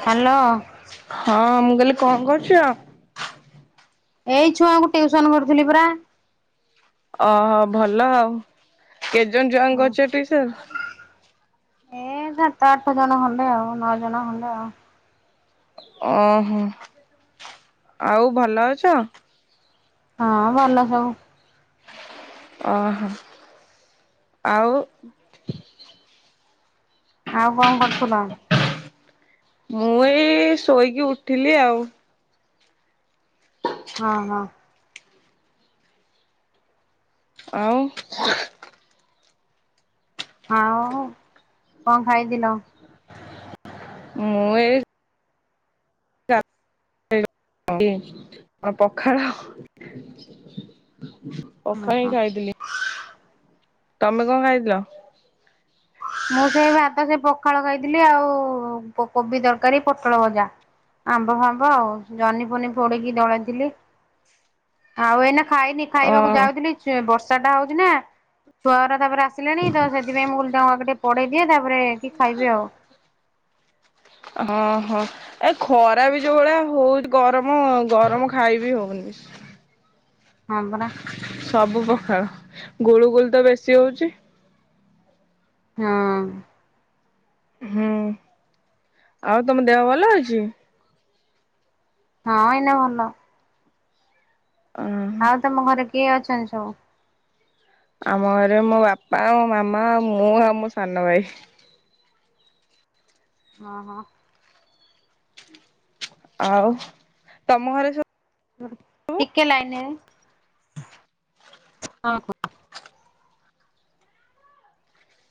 Hello ହଁ ମୁଁ କହିଲି କଣ କରୁଛ? ଏଇ ଛୁଆଙ୍କୁ ଟିଉସନ୍ କରୁଥିଲି ପରା। ଓହୋ ଭଲ ଆଉ। କେଜଣ ଛୁଆଙ୍କୁ କରୁଛ ଟିଉସନ୍? ଏ ସାତ ଆଠ ଜଣ ଖଣ୍ଡେ, ନ ଜଣ ଖଣ୍ଡେ। ଓହୋ। ଆଉ ଭଲ ଅଛ? ହଁ ଭଲ ସବୁ। ଓହୋ ଆଉ ଆଉ କଣ କରୁଥିଲ? ମୁଁ ଏଇ ଶୋଇକି ଉଠିଲି ଆଉ। ହଁ ହଁ। ଆଉ ଆଉ କଣ ଖାଇଥିଲ? ମୁଁ ଏ [unintelligible] ଆ ପଖାଳ ହଁ ପଖାଳ ହଁ ହିଁ ଖାଇଥିଲି। ତମେ କଣ ଖାଇଥିଲ? ମୁଁ ସେଇ ଭାତ ସେ ପଖାଳ ଖାଇଥିଲି ଆଉ କୋବି ତରକାରୀ ପୋଟଳ ଭଜା। ଆମ୍ବ ଫାମ୍ବ ଆଉ ଜହ୍ନି ପହ୍ନି ପୋଡିକି ଦଳାଥିଲି। ଆଉ ଏଇନା ଖାଇନି ଅ ଖାଇବାକୁ ଯାଉଥିଲି ବର୍ଷା ଟା ହଉଛି ନା ଛୁଆର ତାପରେ ଆସିଲେଣି ତ ସେଥିପାଇଁ ମୁଁ ତାଙ୍କୁ ଆଗ ଟିକେ ପଢେଇ ଦିଏ ତାପରେ କି ଖାଇବି ଆଉ। ହଁ ହଁ। ଏ ଖରା ବି ଯୋଉ ଭଳିଆ ହଉ ଗରମ ଗରମ ଖାଇ ବି ହଉନି। ହଁ ପରା। ସବୁ ପଖାଳ ଗୁଳୁ ଗୁଳି ତ ବେଶୀ ହଉଛି। ହଁ। ହୁଁ ଆଉ ତମ ଦେହ ଭଲ ଅଛି? ହଁ ଏଇନା ଭଲ। ହଁ। ଆଉ ତମ ଘରେ କିଏ ଅଛନ୍ତି ସବୁ? ଆମ ଘରେ ମୋ ବାପା ମୋ ମାମା ଆ ମୁଁ ଆଉ ମୋ ସାନ ଭାଇ। ହଁ ହଁ। ଆଉ ତମ ଘରେ ସବୁ ଟିକେ ଲାଇନେ ହଁ ହଁ।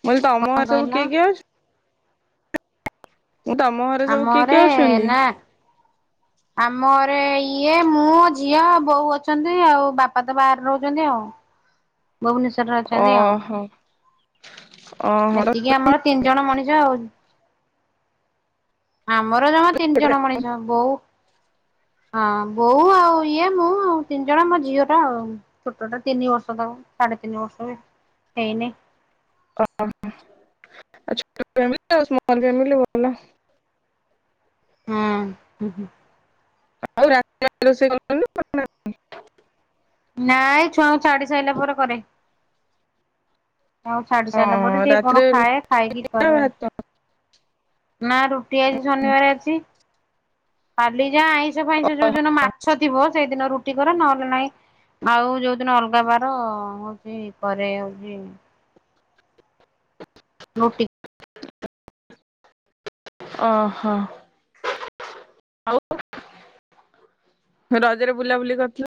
କହିଲି କଣ ତମ ଘରେ ସବୁ କହିଲ କିଏ କିଏ ଅଛି? ମୁଁ ତମ ଘରେ ସବୁ ଆମ କିଏ ଘରେ କିଏ ଅଛନ୍ତି? ନା ଆମ ଘରେ ଇଏ ମୁଁ ଝିଅ ବୋଉ ଅଛନ୍ତି। ଆଉ ବାପା ତ ବାହାରେ ରହୁଛନ୍ତି ଆଉ। ଭୁବନେଶ୍ଵରରେ ଅଛନ୍ତି ଆଉ। ଓହୋ ଓହୋ ଏତିକି ଆମର ତିନି ଜଣ ମଣିଷ ଆଉ। ଆମର ଜମା ତିନି ଜଣ ମଣିଷ। ବୋଉ ହଁ ବୋଉ ଆଉ ଇଏ ମୁଁ ଆଉ ତିନି ଜଣ ମୋ ଝିଅ ଟା ଆଉ। ଛୋଟଟା ତିନି ବର୍ଷ ତ ସାଢ଼େ ତିନି ବର୍ଷ ବି ହେଇନି। [unintelligible] ଫ ସ୍ମଲ୍ ଫ୍ୟାମିଲି ଭଲ। ହୁଁ ହଁ। ଆଉ ରା ରୋଷେଇ [unintelligible] ନାଇଁ ଛୁଆଙ୍କୁ ଛାଡି ସାରିଲା ପରେ କରେ। ଆଉ ଛାଡି ସାରିଲା ପରେ ହଁ ଟିକେ ରାତିରେ କଣ ରୁଟି ଖାଏ ଖାଇକି ନା କରେ ଆଉ। ଭାତ ନା ରୁଟି ଆଜି ଶନିବାର ଅଛି କାଲି ଯା ଆଇଁଷ ଫାଇଁଷ ଯୋଉନ ମା ଓଷା ଥିବ ସେଇଦିନ ରୁଟି କରେ ନହେଲେ ନାହିଁ ଆଉ ଯୋଉଦିନ ଅଲଗା ବାର ହଉଛି କରେ ହଉଛି। ନୋ ଟି ଓହୋ ଆଉ ରଜରେ ବୁଲାବୁଲି କରିଥିଲ